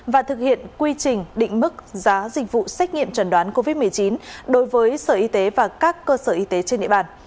và thực hiện quy trình định mức giá dịch vụ xét nghiệm trần đoán covid một mươi chín đối với sở y tế và các cơ sở y tế trên địa bàn